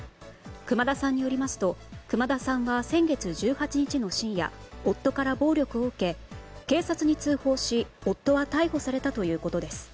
熊田さんによりますと熊田さんは先月１８日の深夜夫から暴力を受け警察に通報し夫は逮捕されたということです。